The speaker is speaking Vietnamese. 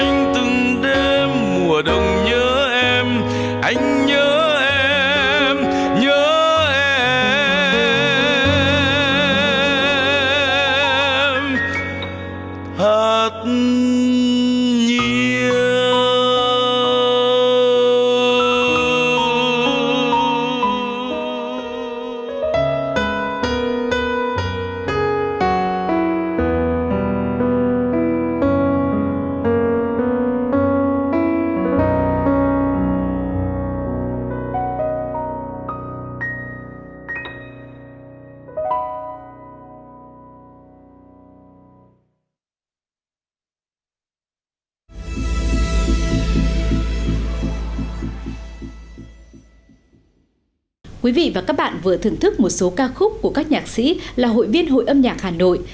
những ước nhằn để đạt được tất cả những nectar của các nhạc sĩ là hội viên hội âm nhạc hà nội